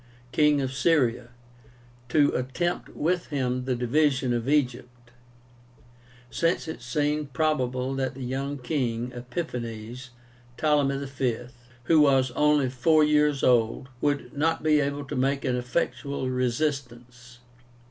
king of Syria, to attempt with him the division of Egypt, since it seemed probable that the young king, Epiphanes (Ptolemy V.), who was only four years old, would not be able to make an effectual resistance.